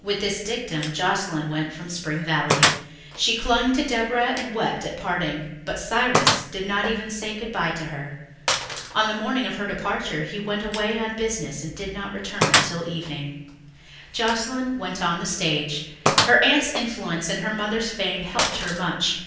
With this dictum Joscelyn went from Spring Valley. She clung to Deborah and wept at parting, but Cyrus did not even say goodbye to her. On the morning of her departure he went away on business and did not return until evening. Joscelyn went on the stage. Her aunt's influence and her mother's fame helped her much.